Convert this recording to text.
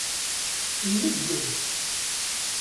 Ineggez.